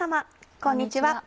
こんにちは。